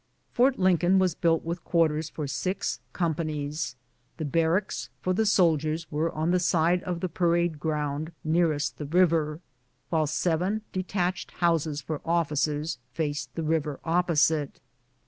Fort Lincoln was built with quarters for six com panies. The barracks for the soldiers were on the side of the parade ground nearest the river, while seven de tached houses for officers faced the river opposite.